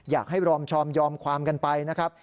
รอให้รอมชอมยอมความกันไปนะครับ